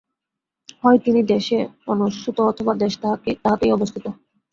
হয় তিনি দেশে অনুস্যূত অথবা দেশ তাঁহাতেই অবস্থিত।